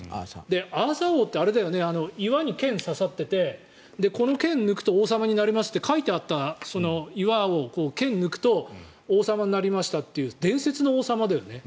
アーサー王って岩に剣が刺さっててこの剣を抜くと王様になれますって書いてあった岩を剣を抜くと王様になりましたという伝説の王様だよね？